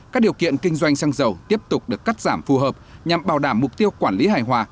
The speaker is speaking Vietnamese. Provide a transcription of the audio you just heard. các điều kiện kinh doanh xăng dầu tiếp tục được cắt giảm phù hợp nhằm bảo đảm mục tiêu quản lý hài hòa